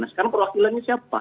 nah sekarang perwakilannya siapa